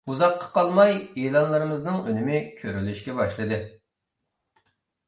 ئۇزاققا قالماي ئېلانلىرىمىزنىڭ ئۈنۈمى كۆرۈلۈشكە باشلىدى.